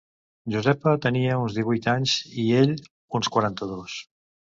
Josepa tenia uns divuit anys i ell uns quaranta-dos.